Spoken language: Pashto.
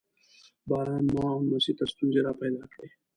باران ما او نمسۍ ته ستونزې را پیدا کړې.